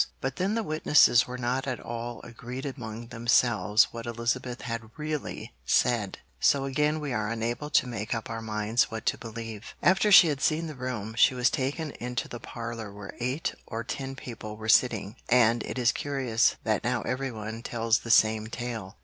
But then the witnesses were not at all agreed among themselves what Elizabeth had really said, so again we are unable to make up our minds what to believe. After she had seen the room, she was taken into the parlour where eight or ten people were sitting, and it is curious that now everyone tells the same tale.